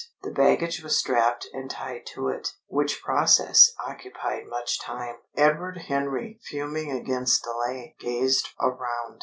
The baggage was strapped and tied to it: which process occupied much time. Edward Henry, fuming against delay, gazed around.